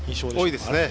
多いですね。